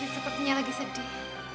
putri sepertinya lagi sedih